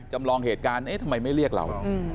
จำลองเหตุการณ์เอ๊ะทำไมไม่เรียกเรา